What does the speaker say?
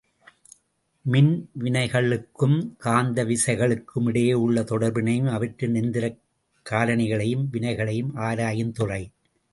மின் வினைகளுக்கும் காந்த விசைகளுக்குமிடையே உள்ள தொடர்பினையும் அவற்றின் எந்திரக் காரணிகளையும் வினைகளையும் ஆராயுந்துறை.